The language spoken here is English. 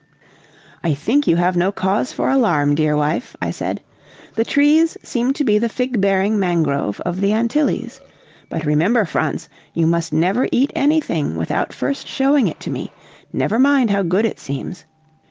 "I think you have no cause for alarm, dear wife," I said. "The trees seem to be the fig bearing mangrove of the Antilles. But remember, Franz, you must never eat anything without first showing it to me, never mind how good it seems.